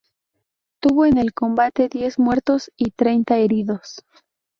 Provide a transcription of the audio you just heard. Tuvo en el combate diez muertos y treinta heridos.